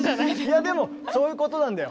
いやでもそういうことなんだよ。